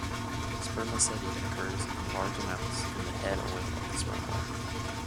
Spermaceti occurs in large amounts in the head oil of the sperm whale.